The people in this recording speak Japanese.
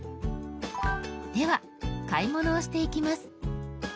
では買い物をしていきます。